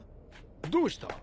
どうした？